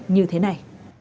như thế này